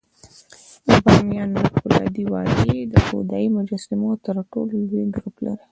د بامیانو د فولادي وادي د بودایي مجسمو تر ټولو لوی ګروپ لري